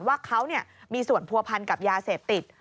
ว่าเขามีส่วนผัวพันกับยาเสพติด